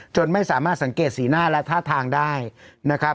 ไม่สามารถสังเกตสีหน้าและท่าทางได้นะครับ